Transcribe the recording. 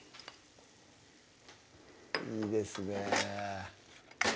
いいですね